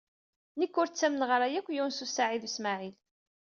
Nekk ur ttamneɣ ara akk Yunes u Saɛid u Smaɛil.